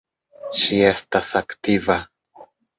Ŝi estas aktiva.